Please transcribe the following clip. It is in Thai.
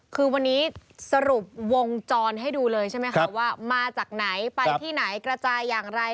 คือวันนี้สรุปวงจรให้ดูเลยใช่ไหมคะว่ามาจากไหนไปที่ไหนกระจายอย่างไร